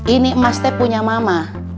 ini mas teh punya mama